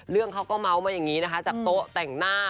เรื่องเขาก็เมาส์มาอย่างนี้นะคะจากโต๊ะแต่งหน้า